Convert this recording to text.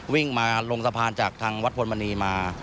วิ่งมาลงสะพานจากทางวัดพลมณีมา